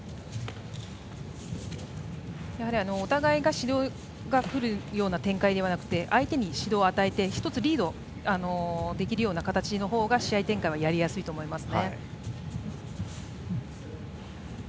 やはりお互い指導が来るような展開ではなくて相手に指導を与えて１つリードできる形のほうが試合展開はやりやすいと思います。